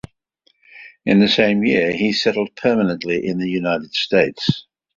In the same year, he settled permanently in the United States.